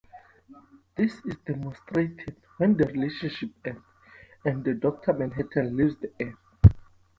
This is demonstrated when the relationship ends, and Doctor Manhattan leaves Earth.